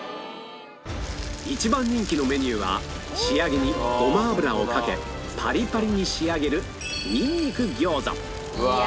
一番人気のメニューは仕上げにごま油をかけパリパリに仕上げるうわ！